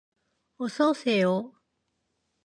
어서 오세요.